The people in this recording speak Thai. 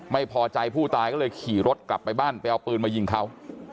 ไม่พอใจผู้ตายก็เลยขี่รถกลับไปบ้านไปเอาปืนมายิงเขา